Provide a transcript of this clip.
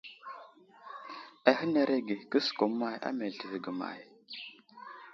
Ahənerege :» kəsəkum əmay á meltivi ge may ?«.